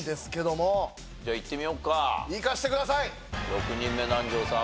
６人目南條さん